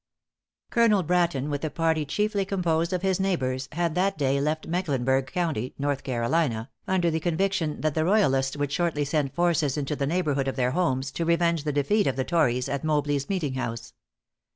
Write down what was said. Colonel Bratton, with a party chiefly composed of his neighbors, had that day left Mecklenburg County, North Carolina, under the conviction that the royalists would shortly send forces into the neighborhood of their homes, to revenge the defeat of the tories at Mobley's Meeting house.